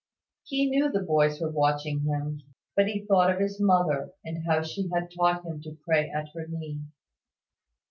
He knew the boys were watching him; but he thought of his mother, and how she had taught him to pray at her knee.